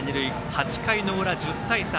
８回の裏、１０対３。